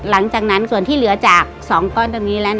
หลังจากนั้นส่วนที่เหลือจาก๒ก้อนตรงนี้แล้ว